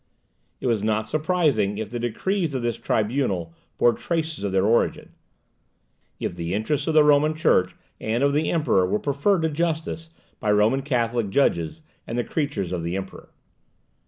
It was not surprising if the decrees of this tribunal bore traces of their origin; if the interests of the Roman Church and of the Emperor were preferred to justice by Roman Catholic judges, and the creatures of the Emperor.